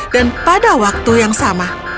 dan pada waktu yang sama